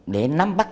để nắm bắt